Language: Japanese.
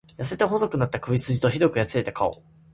痩せて細くなった首すじと、酷くやつれた顔。